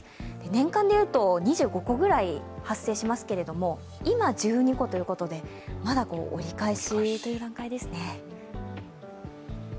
年間で言うと２５個ぐらい発生しますけれども、今、１２個ということでまだ折り返しという段階ですね。